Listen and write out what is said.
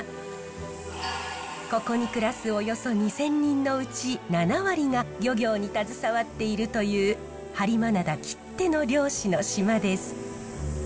ここに暮らすおよそ２，０００人のうち７割が漁業に携わっているという播磨灘きっての漁師の島です。